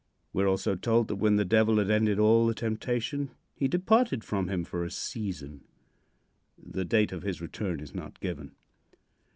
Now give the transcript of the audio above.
We are also told that when the Devil had ended all the temptation he departed from him for a season. The date of his return is not given.